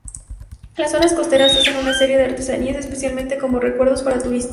Las zonas costeras hacen una serie de artesanías, especialmente como recuerdos para turistas.